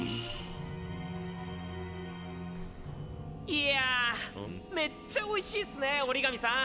いやめっちゃおいしいっすね折紙さん。